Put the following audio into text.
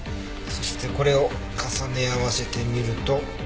そしてこれを重ね合わせてみると。